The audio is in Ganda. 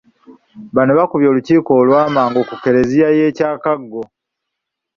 Bano bakubye olukiiko olw'amangu ku Ekereziya y'e Kyakago.